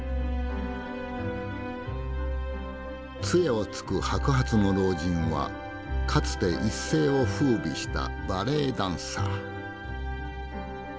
杖をつく白髪の老人はかつて一世を風靡したバレエダンサー。